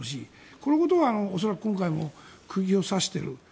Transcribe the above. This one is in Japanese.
このことは恐らく今回も釘を刺している。